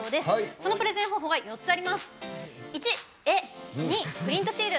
そのプレゼン方法は４つあります。